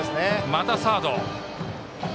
またサードへ。